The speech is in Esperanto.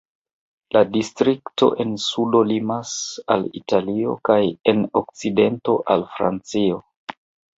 La distrikto en sudo limas al Italio kaj en okcidento al Francio.